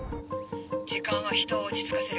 時間は人を落ち着かせる。